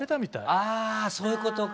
ああそういう事か。